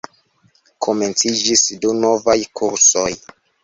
Komenciĝis du novaj kursoj.